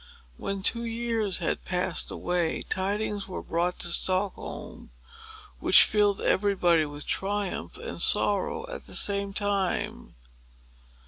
When two years had passed away, tidings were brought to Stockholm which filled everybody with triumph and sorrow at the same time.